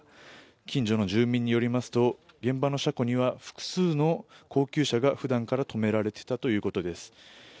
近所の住民によりますと現場の車庫には複数の高級車が普段から止められていたということです。